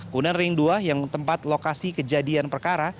kemudian ring dua yang tempat lokasi kejadian perkara